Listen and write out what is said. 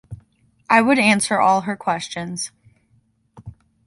I would answer all her questions.